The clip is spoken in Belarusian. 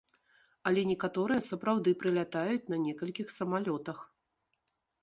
Але некаторыя сапраўды прылятаюць на некалькіх самалётах.